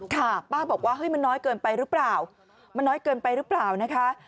ค่ะป้าบอกว่าเฮ้ยมันน้อยเกินไปหรือเปล่ามันน้อยเกินไปหรือเปล่านะคะ